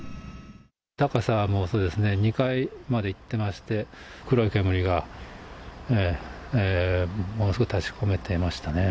高さもそうですね、２階までいってまして、黒い煙が、ものすごい立ちこめてましたね。